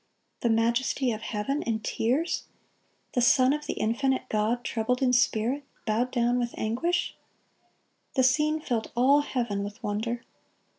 The Majesty of heaven in tears! the Son of the infinite God troubled in spirit, bowed down with anguish! The scene filled all heaven with wonder.